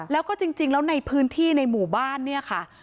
แล้วก็จริงแล้วในพื้นที่ในหมู่บ้านเนี่ยค่ะ